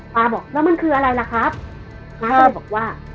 บอกแล้วมันคืออะไรล่ะครับป๊าก็เลยบอกว่า